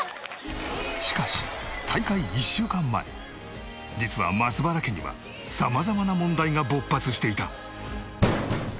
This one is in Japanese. しかし大会１週間前実は松原家には様々な問題が勃発していた。